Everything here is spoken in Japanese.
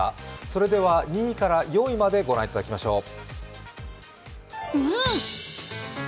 それでは、２位から４位までご覧いただきましょう。